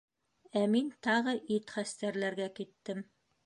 Ә мин тағы ит хәстәрләргә киттем.